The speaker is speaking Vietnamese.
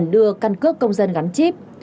chị trang chỉ cần đưa căn cước công dân gắn chip